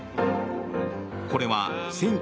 これは